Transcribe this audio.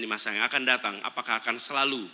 di masa yang akan datang apakah akan selalu